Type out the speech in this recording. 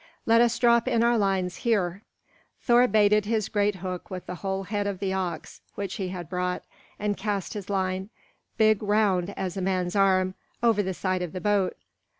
Let us drop in our lines here." Thor baited his great hook with the whole head of the ox which he had brought, and cast his line, big round as a man's arm, over the side of the boat.